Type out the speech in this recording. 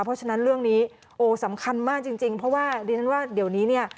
เพราะฉะนั้นเรื่องนี้สำคัญมากจริงเพราะว่าเดี๋ยวนี้